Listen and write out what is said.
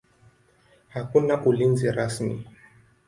Hakuna ulinzi rasmi.